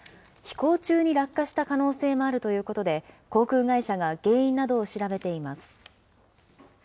飛行中に落下した可能性もあるということで、航空会社が原因などを調べています。